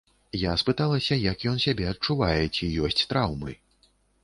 Я спыталася, як ён сябе адчувае, ці ёсць траўмы.